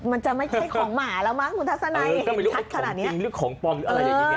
มันจะไม่ใช่ของหมาแล้วมั้งคุณทัศนัยเห็นชัดขนาดเนี่ย